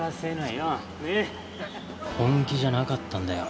本気じゃなかったんだよ。